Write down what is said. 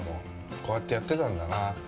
こうやってやってたんだな。